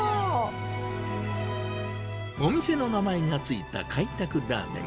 お店の名前が付いた開拓ラーメン。